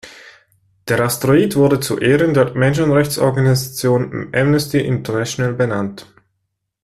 Der Asteroid wurde zu Ehren der Menschenrechtsorganisation "Amnesty International" benannt.